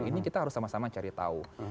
ini kita harus sama sama cari tahu